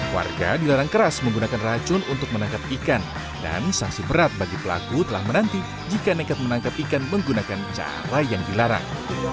warga dilarang keras menggunakan racun untuk menangkap ikan dan sanksi berat bagi pelaku telah menanti jika nekat menangkap ikan menggunakan cara yang dilarang